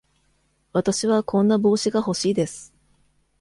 わたしはこんな帽子が欲しいです。